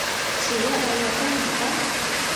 遲一兩日都唔得？